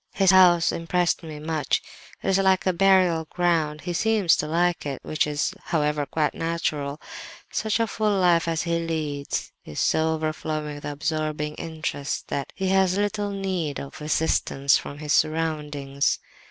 His house impressed me much; it is like a burial ground, he seems to like it, which is, however, quite natural. Such a full life as he leads is so overflowing with absorbing interests that he has little need of assistance from his surroundings.